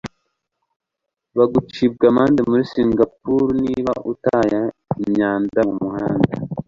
bagucibwa amande muri singapuru niba utaye imyanda mumuhanda